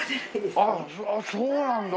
ああそうなんだ。